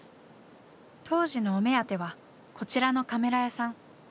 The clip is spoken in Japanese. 当時のお目当てはこちらのカメラ屋さん。